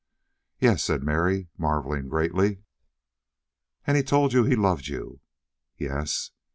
"Yes," said Mary, marveling greatly. "And he told you he loved you?" "Yes."